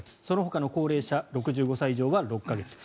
そのほかの高齢者６５歳以上は６か月。